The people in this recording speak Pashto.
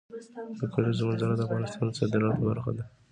د کلیزو منظره د افغانستان د صادراتو برخه ده.